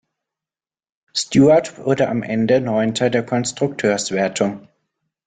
Stewart wurde am Ende neunter der Konstrukteurswertung.